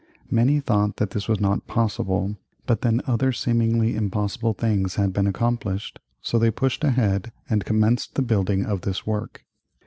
Many thought that this was not possible, but then other seemingly impossible things had been accomplished, so they pushed ahead and commenced the building of this work.